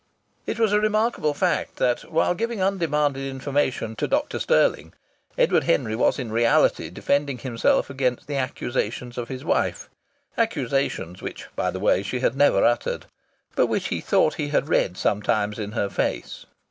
It was a remarkable fact that, while giving undemanded information to Dr. Stirling, Edward Henry was in reality defending himself against the accusations of his wife accusations which, by the way, she had never uttered, but which he thought he read sometimes in her face.